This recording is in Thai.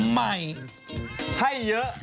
ใหม่ให้เยอะ